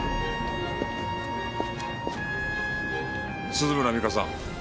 鈴村美加さん